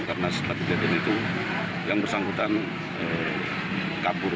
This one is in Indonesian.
karena setelah dilihat ini itu yang bersangkutan kabur